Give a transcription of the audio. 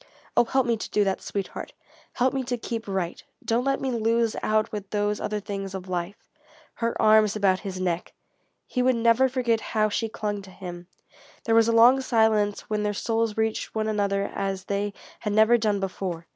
"Oh help me to do that, sweetheart! Help me to keep right! Don't let me lose out with those other things of life!" Her arms about his neck! He would never forget how she clung to him. There was a long silence when their souls reached one another as they had never done before.